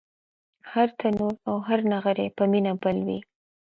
هر تنور او هر نغری په مینه بل و